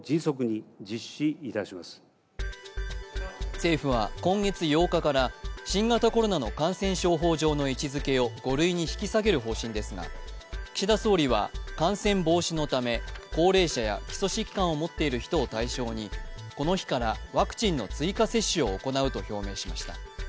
政府は今月８日から、新型コロナの感染症法上の位置づけを５類に引き下げる方針ですが、岸田総理は感染防止のため、高齢者や基礎疾患を持っている人を対象にこの日からワクチンの追加接種を行うと表明しました。